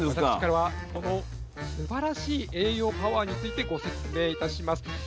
私からはそのすばらしい栄養パワーについてご説明いたします。